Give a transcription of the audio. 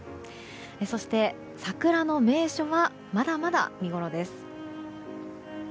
そして、桜の名所はまだまだ見ごろです。